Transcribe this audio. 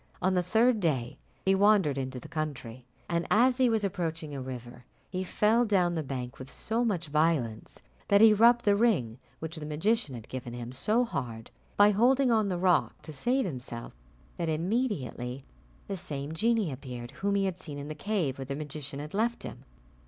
On the third day he wandered into the country, and as he was approaching a river, he fell down the bank with so much violence that he rubbed the ring which the magician had given him so hard by holding on the rock to save himself, that immediately the same genie appeared whom he had seen in the cave where the magician had left him.